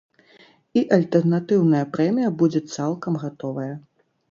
І альтэрнатыўная прэмія будзе цалкам гатовая.